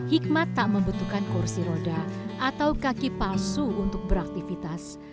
hikmat tak membutuhkan kursi roda atau kaki palsu untuk beraktivitas